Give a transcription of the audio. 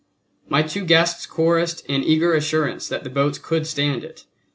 My two guests chorused an eager assurance that the boats could stand it.